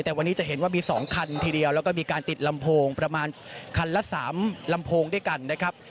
แต่วันนี้จะเห็นว่ามี๒คันทีเดียวแล้วก็มีการติดลำโพงประมาณคันละ๓ลำโพงด้วยกันนะครับ